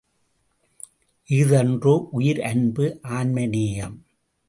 இஃதன்றோ உயிர் அன்பு ஆன்மநேயம்!